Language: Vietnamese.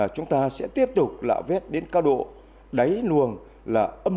chúng ta sẽ tiếp tục nạo vét đến cao độ đáy luồng là âm một mươi bốn